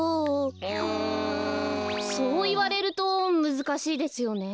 そういわれるとむずかしいですよねえ。